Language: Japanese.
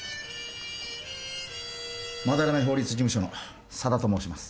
斑目法律事務所の佐田と申します